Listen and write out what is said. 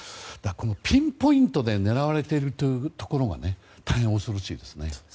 ピンポイントで狙われているところが大変恐ろしいですね。